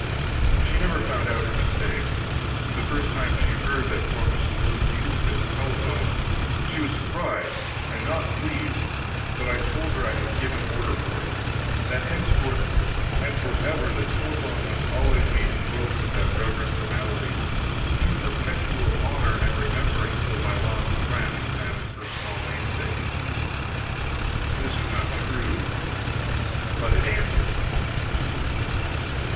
She never found out her mistake. The first time she heard that form of salute used at the telephone she was surprised, and not pleased; but I told her I had given order for it: that henceforth and forever the telephone must always be invoked with that reverent formality, in perpetual honor and remembrance of my lost friend and her small namesake. This was not true. But it answered.